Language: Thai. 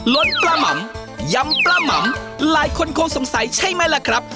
สปลาหม่ำยำปลาหม่ำหลายคนคงสงสัยใช่ไหมล่ะครับ